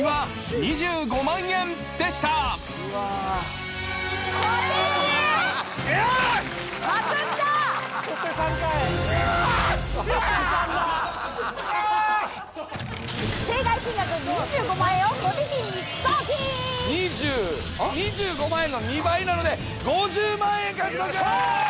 ２５万円の２倍なので５０万円獲得。